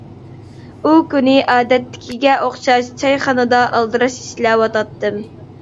ئۇ كۈنى ئادەتتىكىگە ئوخشاش چايخانىدا ئالدىراش ئىشلەۋاتاتتىم.